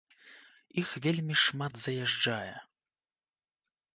Іх вельмі шмат заязджае.